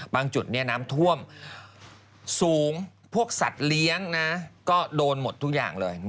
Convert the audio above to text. จุดนี้น้ำท่วมสูงพวกสัตว์เลี้ยงก็โดนหมดทุกอย่างเลย